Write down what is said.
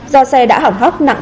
do xe đã hỏng hóc nặng